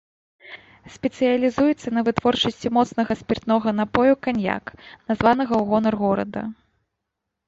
Спецыялізуецца на вытворчасці моцнага спіртнога напою каньяк, названага ў гонар горада.